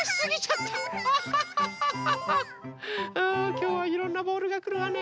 きょうはいろんなボールがくるわね。